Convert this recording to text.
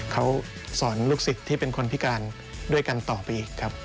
เขาสอนลูกศิษย์ที่เป็นคนพิการด้วยกันต่อไปอีกครับ